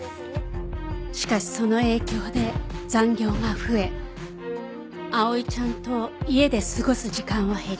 しかしその影響で残業が増え碧唯ちゃんと家で過ごす時間は減り。